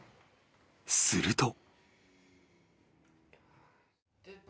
［すると］